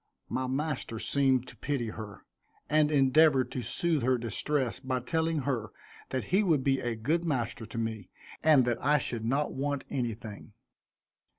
My master seemed to pity her, and endeavored to soothe her distress by telling her that he would be a good master to me, and that I should not want anything.